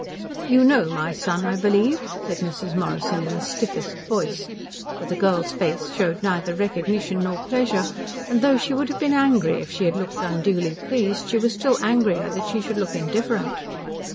"You know my son, I believe?" said Mrs. Morrison in the stiffest voice; for the girl's face showed neither recognition nor pleasure, and though she would have been angry if she had looked unduly pleased she was still angrier that she should look indifferent.